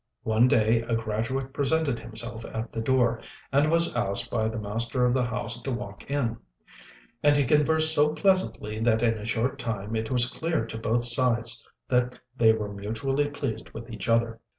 One day a graduate presented himself at the door, and was asked by the master of the house to walk in; and he conversed so pleasantly that in a short time it was clear to both sides that they were mutually pleased with each other.